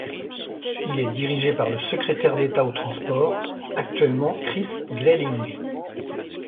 Il est dirigé par le secrétaire d'État aux Transports, actuellement Chris Grayling.